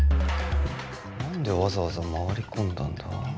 何でわざわざ回り込んだんだ？